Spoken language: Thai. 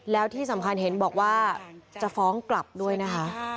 แล้วที่สำคัญเห็นบอกว่าจะฟ้องกลับด้วยนะคะ